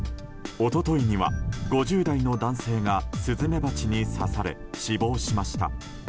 一昨日には５０代の男性がスズメバチに刺され死亡しました。